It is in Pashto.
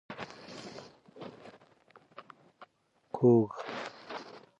کوږ